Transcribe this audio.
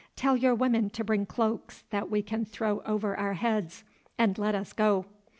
Tell your women to bring cloaks that we can throw over our heads, and let us go."